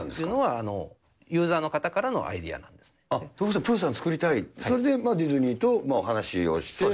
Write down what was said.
ユーザーの方からのアイデアということは、プーさん作りたい、それでディズニーとお話をして。